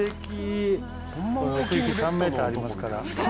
奥行き３ｍありますから。